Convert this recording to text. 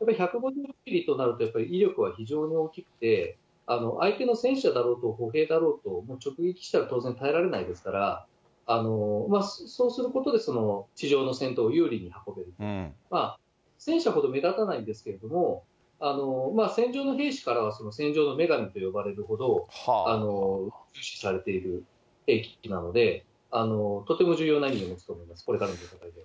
１５５ミリとなると、やっぱり威力は非常に大きくて、相手の戦車だろうと歩兵だろうと、直撃したら当然耐えられないですから、そうすることで、地上の戦闘を有利に運べると、戦車ほど目立たないんですけれども、戦場の兵士からは戦場の女神と呼ばれるほど、されている兵器なので、とても重要な意味で、これからの戦いにおいて。